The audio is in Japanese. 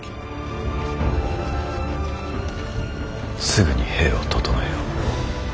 すぐに兵を調えよ。